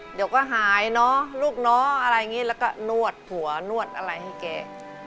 เดี๋ยวก็หายเนอะลูกเนาะอะไรอย่างนี้แล้วก็นวดหัวนวดอะไรให้แก